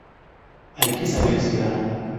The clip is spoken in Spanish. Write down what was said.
Hay que saber esperar